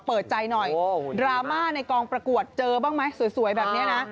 เปิดใจหน่อยดราม่าในกองประกวดเจอบ้างไหมสวยแบบนี้นะ